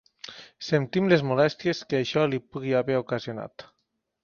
Sentim les molèsties que això li pugui haver ocasionat.